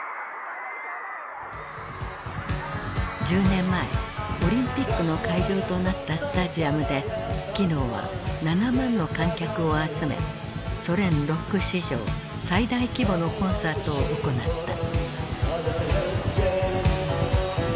１０年前オリンピックの会場となったスタジアムでキノーは７万の観客を集めソ連ロック史上最大規模のコンサートを行った。